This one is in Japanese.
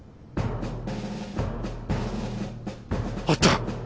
あった！